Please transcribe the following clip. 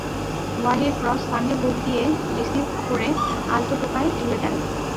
ওয়ালির cross Sunday বুক দিয়ে receive করে আলতো টোকায় তুলে দেন।